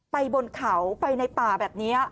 บนเขาไปในป่าแบบนี้